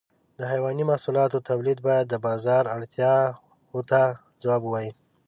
د حيواني محصولاتو تولید باید د بازار اړتیاو ته ځواب ووایي.